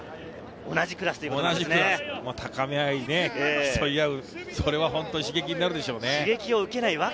同じクラス、高め合い競い合う、本当に刺激になるでしょうね。